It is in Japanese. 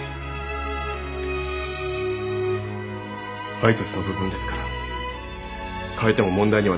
挨拶の部分ですから変えても問題にはならないと思います。